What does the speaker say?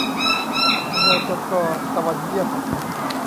บจก.ตวันเยี่ยม